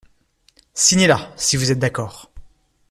Signez là, si vous êtes d’accord.